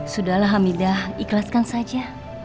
sudahlah hamidah ikhlaskan saja